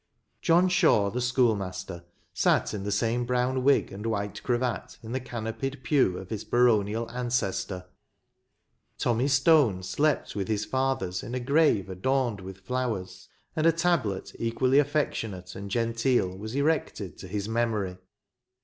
John Shaw, the schoolmaster, sat in the same brown wig and white cravat in the canopied pew of his baronial ancestor. Tommy Stone slept with his fathers in a grave adorned 22 RlVERTON. with flowers, and a tablet equally affectionate and genteel was erected to his memory.